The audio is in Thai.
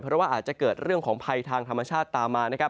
เพราะว่าอาจจะเกิดเรื่องของภัยทางธรรมชาติตามมานะครับ